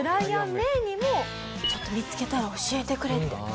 ちょっと見つけたら教えてくれって。